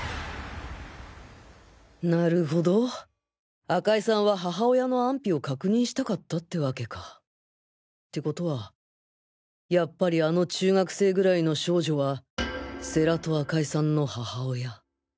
なるほど赤井さんは母親の安否を確認したかったってわけか。ってことはやっぱりあの中学生ぐらいの少女は世良と赤井さんの母親。